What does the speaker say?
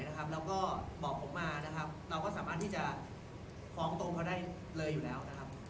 และอาจสามารถฟ้องของพอได้อยู่แล้ว